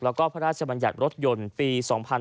แล้วก็พระราชบัญญัติรถยนต์ปี๒๕๕๙